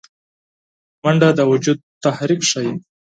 منډه د وجود تحرک ښيي